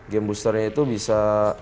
game boosternya itu bisa